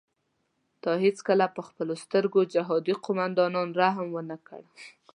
تا هیڅکله پر خپلو سترو جهادي قوماندانانو رحم ونه کړ.